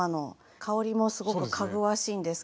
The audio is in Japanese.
香りもすごくかぐわしいんですけども。